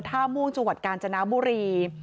เจ้าของห้องเช่าโพสต์คลิปนี้